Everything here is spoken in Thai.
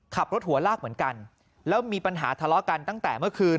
ขับรถหัวลากเหมือนกันแล้วมีปัญหาทะเลาะกันตั้งแต่เมื่อคืน